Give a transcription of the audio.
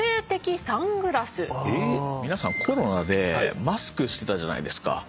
皆さんコロナでマスクしてたじゃないですか。